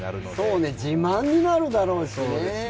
そうね、自慢になるだろうしね。